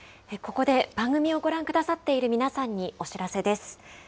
ここで番組をご覧くださっている皆さんにお知らせです。